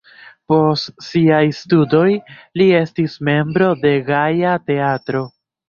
Post siaj studoj li estis membro de Gaja Teatro.